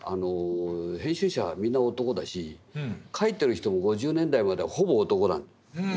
編集者はみんな男だし描いてる人も５０年代まではほぼ男なの。